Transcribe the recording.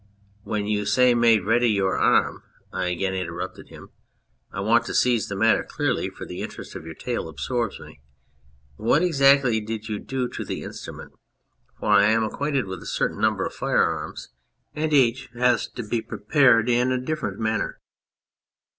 " When you say made ready your arm " (I again interrupted him) " I want to seize the matter clearly, for the interest of your tale absorbs me what exactly did you do to the instrument, for I am acquainted with a certain number of firearms, and each has to be prepared in a different manner